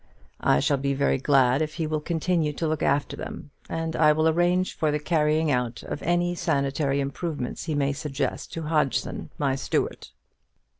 I shall be very glad if he will continue to look after them, and I will arrange for the carrying out of any sanitary improvements he may suggest to Hodgeson, my steward.